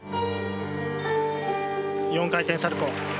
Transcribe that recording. ４回転サルコウ。